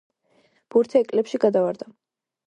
ბურთი ეკლებში გადავარდა.